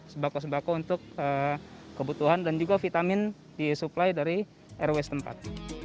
sebako sebako untuk kebutuhan dan juga vitamin disuplai dari rw tempat